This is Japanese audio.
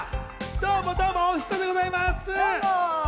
どうも、どうも、お久でございます！